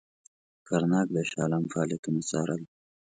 کرناک د شاه عالم فعالیتونه څارل.